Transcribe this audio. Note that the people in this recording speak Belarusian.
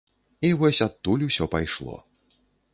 І вось адтуль усё пайшло.